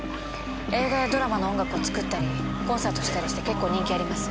映画やドラマの音楽を作ったりコンサートしたりして結構人気あります。